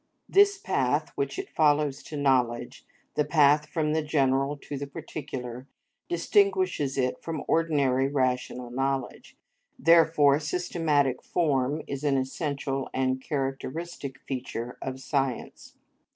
This path which it follows to knowledge, the path from the general to the particular, distinguishes it from ordinary rational knowledge; therefore, systematic form is an essential and characteristic feature of science.